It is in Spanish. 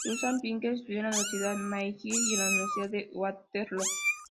Susan Pinker estudió en la Universidad McGill y en la Universidad de Waterloo.